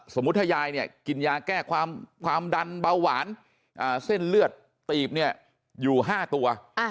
สมมุติถ้ายายเนี่ยกินยาแก้ความดันเบาหวานเส้นเลือดตีบเนี่ยอยู่๕ตัว